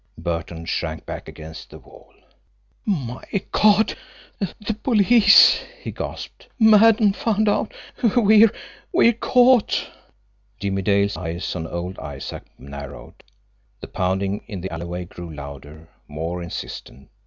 Burton shrank back against the wall. "My God! The police!" he gasped. "Maddon's found out! We're we're caught!" Jimmie Dale's eyes, on old Isaac, narrowed. The pounding in the alleyway grew louder, more insistent.